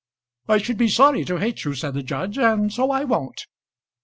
"I should be sorry to hate you," said the judge, "and so I won't."